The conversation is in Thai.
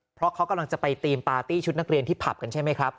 เพราะเขากำลังจะไปทีมปาร์ตี้ชุดนักเรียนที่ผับกันใช่ไหมครับ